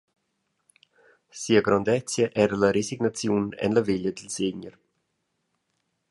Sia grondezia era la resignaziun en la veglia dil Segner.